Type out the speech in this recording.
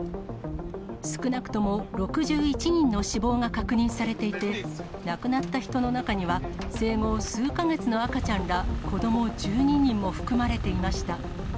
少なくとも６１人の死亡が確認されていて、亡くなった人の中には、生後数か月の赤ちゃんら子ども１２人も含まれていました。